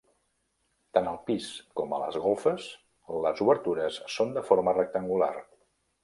Tant al pis com a les golfes les obertures són de forma rectangular.